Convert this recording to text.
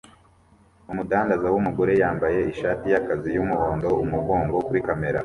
Umudandaza wumugore yambaye ishati yakazi yumuhondo umugongo kuri kamera